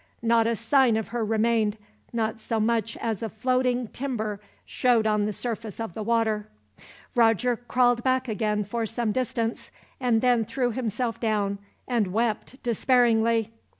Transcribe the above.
Not a sign of her remained, not so much as a floating timber showed on the surface of the water. Roger crawled back again for some distance, and then threw himself down, and wept despairingly.